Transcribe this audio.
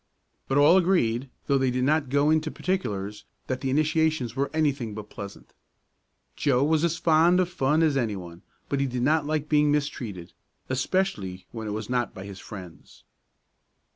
But all agreed, though they did not go into particulars, that the initiations were anything but pleasant. Joe was as fond of fun as anyone but he did not like being mistreated especially when it was not by his friends.